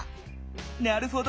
なるほど。